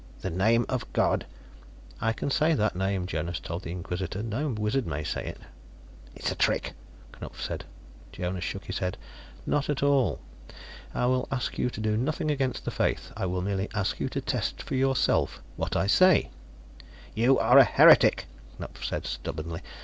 "The name of God " "I can say that name," Jonas told the Inquisitor. "No wizard may say it." "It is a trick," Knupf said. Jonas shook his head. "Not at all. I will ask you to do nothing against the Faith; I will merely ask you to test for yourself what I say." "You are a heretic," Knupf said stubbornly.